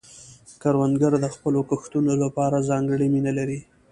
کروندګر د خپلو کښتونو لپاره ځانګړې مینه لري